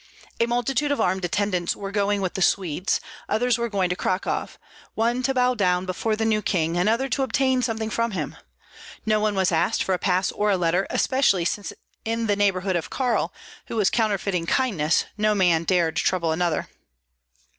A multitude of armed attendants were going with the Swedes; others were going to Cracow, one to bow down before the new king, another to obtain something from him. No one was asked for a pass or a letter, especially since in the neighborhood of Karl, who was counterfeiting kindness, no man dared trouble another.